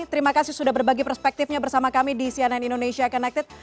terima kasih sudah berbagi perspektifnya bersama kami di cnn indonesia connected